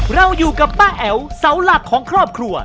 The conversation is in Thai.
เราอยู่กับป้าแอ๋วเสาหลักของครอบครัว